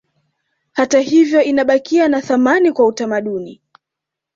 Hata hivyo inabakia na thamani kwa utamaduni